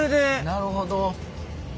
なるほど。